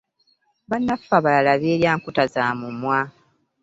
Bannaffe abalala beerya nkuta za mumwa.